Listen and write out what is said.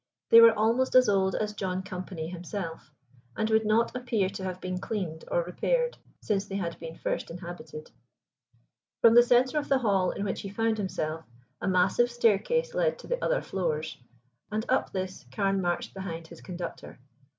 They were almost as old as John Company himself, and would not appear to have been cleaned or repaired since they had been first inhabited. From the center of the hall, in which he found himself, a massive staircase led to the other floors, and up this Carne marched behind his conductor.